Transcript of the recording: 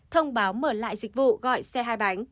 thông báo mở lại dịch vụ gọi xe hai bánh